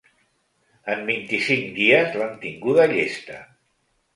En vint-i-cinc dies l’han tinguda llesta.